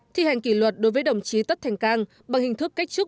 thi hành kỷ luật đối với đồng chí tất thành cang bằng hình thức cách chức